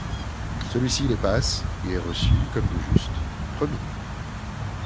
Celui-ci les passe et est reçu, comme de juste, premier.